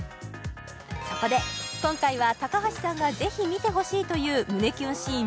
そこで今回は高橋さんがぜひ見てほしいという胸キュンシーン